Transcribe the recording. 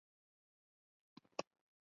黄石火山是的一部分。